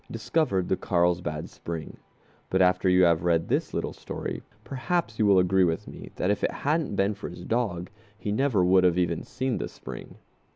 discovered the Carlsbad Spring, but after you have read this little history perhaps you will agree with me that if it hadn't been for his dog he never would have even seen the spring.